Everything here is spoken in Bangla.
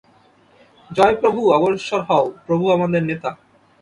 জয় প্রভু! অগ্রসর হও, প্রভু আমাদের নেতা।